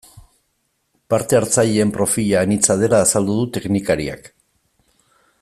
Parte hartzaileen profila anitza dela azaldu du teknikariak.